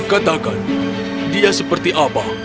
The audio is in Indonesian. katakan dia seperti apa